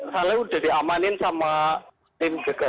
saya udah diamanin sama tim gegar